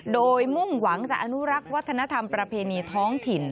โดยมุ่งหวังจะอนุรักษ์วัฒนธรรมประเพณีท้องถิ่น